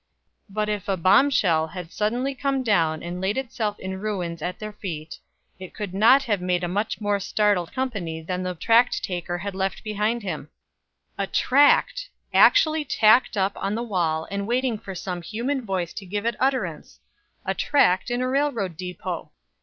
But if a bomb shell had suddenly come down and laid itself in ruins it their feet, it could not have made a much more startled company than the tract tacker left behind him. A tract! actually tacked up on the wall, and waiting for some human voice to give it utterance! A tract in a railroad depot!